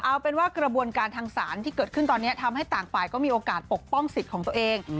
เอาเป็นว่ากระบวนการทางศาลที่เกิดขึ้นตอนนี้ทำให้ต่างฝ่ายก็มีโอกาสปกป้องสิทธิ์ของตัวเอง